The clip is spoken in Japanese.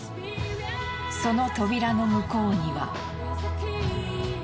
その扉の向こうには。